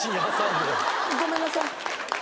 ごめんなさい。